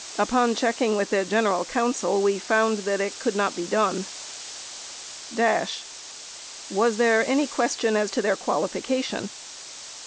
Upon checking with their general counsel we found that it could not be done. Dash. Was there any question as to their qualification?